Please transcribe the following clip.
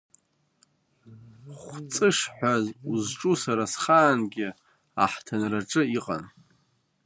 Хәҵыш ҳәа узҿу сара схаангьы аҳҭынраҿы иҟан.